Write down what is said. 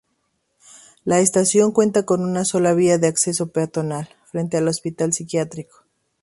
La estación cuenta con una sola vía de acceso peatonal, frente al Hospital Psiquiátrico.